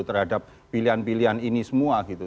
terhadap pilihan pilihan ini semua gitu